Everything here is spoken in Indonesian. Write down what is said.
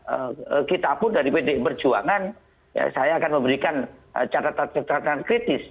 kalau memang tidak kita pun dari pd perjuangan saya akan memberikan catatan catatan kritis